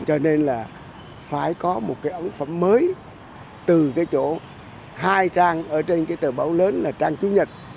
cho nên là phải có một cái ấn phẩm mới từ cái chỗ hai trang ở trên cái tờ báo lớn là trang chủ nhật